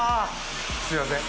すいません。